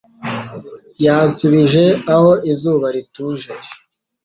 yansubije aho izuba rituje